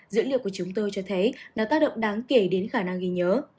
dữ liệu của chúng tôi cho thấy nó tác động đáng kể đến khả năng ghi nhớ